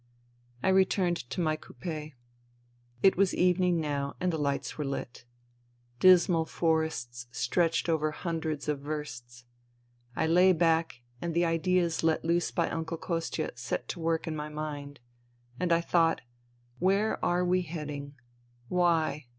I returned to my coup6. It was evening now and the lights were lit. Dismal forests stretched over hundreds of versts. I lay back and the ideas let loose by Uncle Kostia set to work in my mind. And I thought : Where are we heading ? Why